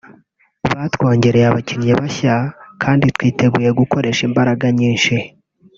batwongereye abakinnyi bashya kandi twiteguye gukoresha imbaraga nyinshi